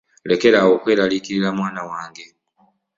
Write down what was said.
Lekera awo okweraliikirira mwana wange.